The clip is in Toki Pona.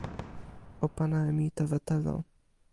o pana e mi tawa telo.